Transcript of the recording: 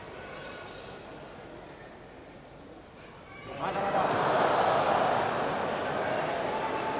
まだまだ。